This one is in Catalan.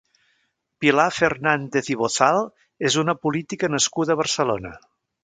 Pilar Fernández i Bozal és una política nascuda a Barcelona.